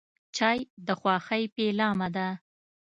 چای د خوښۍ پیلامه ده.